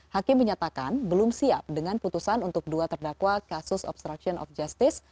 hakim menyatakan belum siap dengan putusan untuk dua terdakwa kasus obstruction of justice